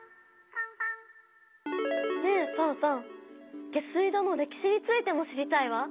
ねえファンファン下水道の歴史についても知りたいわ。